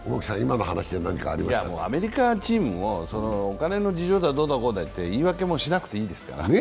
アメリカチームもお金の事情だどうのこうのと言い訳はもうしなくていいですから。